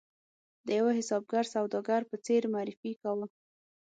د یوه حسابګر سوداګر په څېر معرفي کاوه.